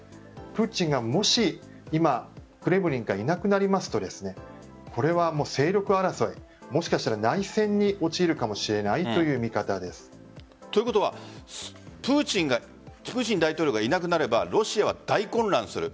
プーチンがもし今クレムリンからいなくなりますとこれは勢力争いもしかしたら内戦に陥るかもしれないという見方です。ということはプーチン大統領がいなくなればロシアは大混乱する。